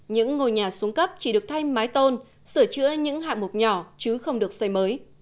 những ngôi nhà xuống cấp chỉ được thay mái tôn sửa chữa những hạ mục nhỏ chứ không được xây mới